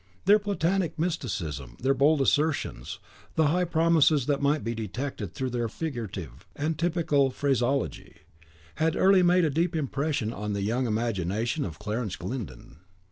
Their Platonic mysticism, their bold assertions, the high promises that might be detected through their figurative and typical phraseology, had early made a deep impression on the young imagination of Clarence Glyndon.